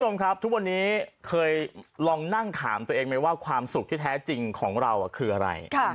คุณผู้ชมครับทุกวันนี้เคยลองนั่งถามตัวเองไหมว่าความสุขที่แท้จริงของเราคืออะไร